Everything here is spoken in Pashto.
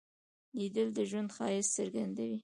لیدل د ژوند ښایست څرګندوي